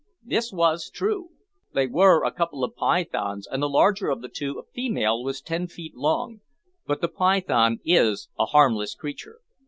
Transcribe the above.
This was true. They were a couple of pythons, and the larger of the two, a female, was ten feet long; but the python is a harmless creature.